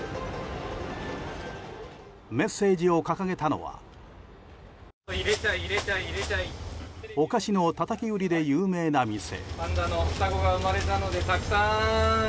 メッセージを掲げたのはお菓子のたたき売りで有名な店。